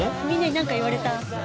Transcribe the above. みんなになんか言われた？